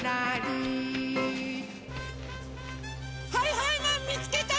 はいはいマンみつけた！